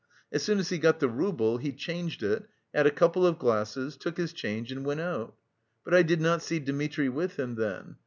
As soon as he got the rouble he changed it, had a couple of glasses, took his change and went out. But I did not see Dmitri with him then.